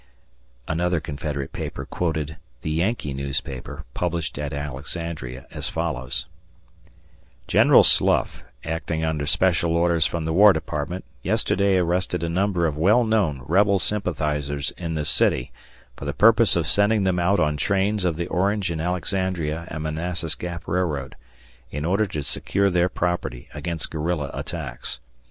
[Another Confederate paper quoted "the Yankee newspaper" published at Alexandria as follows:] General Slough, acting under special orders from the War Department, yesterday arrested a number of well known rebel sympathizers in this city, for the purpose of sending them out on trains of the Orange and Alexandria and Manassas Gap Railroad, in order to secure their property against guerrilla attacks.